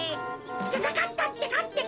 じゃなかったってかってか。